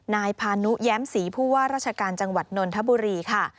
นายพานุแย้มศรีผู้ว่าราชการจังหวัดนนทบุรีค่ะ